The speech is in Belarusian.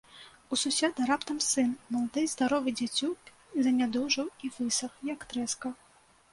У суседа раптам сын, малады і здаровы дзяцюк, занядужаў і высах, як трэска.